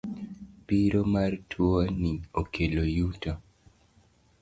Biro mar tuo ni okelo yuto.